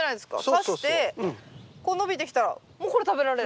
さしてこう伸びてきたらもうこれ食べられる。